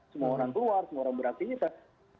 semua orang keluar semua orang beraktivitas